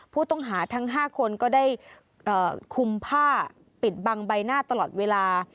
ผู้ต้องหาทั้ง๕คนก็ได้คุมผ้าปิดบังใบหน้าตลอดเวลา